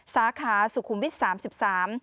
สาขาสุขุมวิทย์๓๓